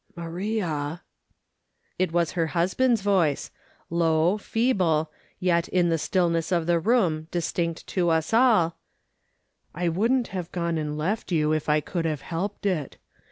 "Maria" — it was her husband's voice, low, feeble, yet in the stillness of the room distinct to us all —" I wouldn't have gone and left you if I could have helped it.